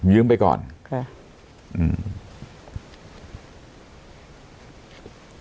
ไปก่อนค่ะอืม